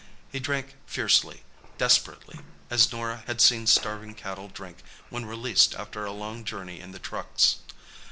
He drank fiercely, desperately, as Norah had seen starving cattle drink when released after a long journey in the trucks.